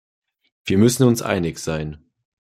Wir müssen uns einig sein.